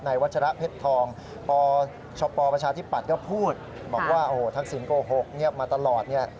นายวัชระเพชรทองชปประชาธิปัตย์ก็พูดบอกว่าทักศิลป์โกหกเงียบมาตลอด